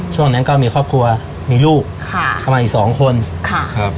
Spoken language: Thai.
ช่วงนั้นก็มีครอบครัวมีลูกค่ะเข้ามาอีกสองคนค่ะครับ